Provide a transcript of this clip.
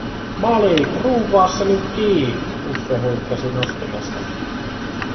"Malik, ruuvvaa se ny kii", Uffe huikkasi nostimesta.